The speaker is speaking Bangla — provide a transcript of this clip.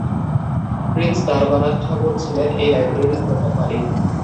প্রিন্স দ্বারকানাথ ঠাকুর ছিলেন এই লাইব্রেরির প্রথম মালিক।